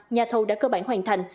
nhà thầu đã cơ bản hoàn thành